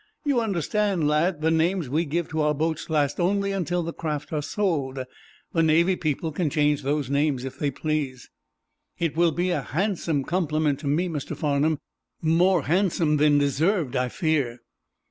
You understand, lad, the names we give to our boats last only until the craft are sold. The Navy people can change those names if they please." "It will be a handsome compliment to me, Mr. Farnum. More handsome than deserved, I fear."